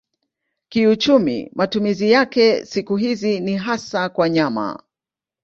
Kiuchumi matumizi yake siku hizi ni hasa kwa nyama.